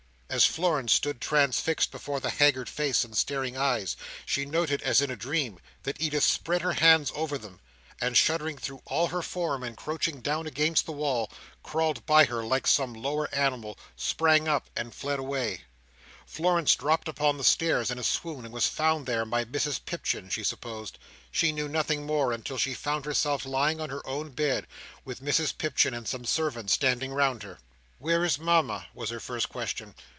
As Florence stood transfixed before the haggard face and staring eyes, she noted, as in a dream, that Edith spread her hands over them, and shuddering through all her form, and crouching down against the wall, crawled by her like some lower animal, sprang up, and fled away. Florence dropped upon the stairs in a swoon; and was found there by Mrs Pipchin, she supposed. She knew nothing more, until she found herself lying on her own bed, with Mrs Pipchin and some servants standing round her. "Where is Mama?" was her first question.